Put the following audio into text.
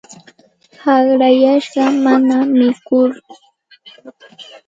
Aqrayashqa mana mikur.